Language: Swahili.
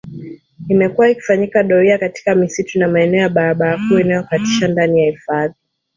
Imekuwa ikifanyika doria katika misitu na maeneo ya barabara kuu inayokatisha ndani ya hifadhi